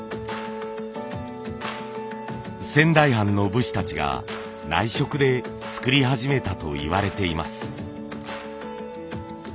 仙台藩の武士たちが内職で作り始めたといわれています。